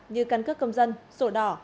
như căn cước công dân sổ đỏ